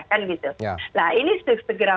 kan gitu nah ini harus segera